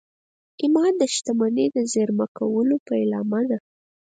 ایمان د شتمنۍ د زېرمه کولو پیلامه ده